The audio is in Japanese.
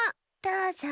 どうぞ。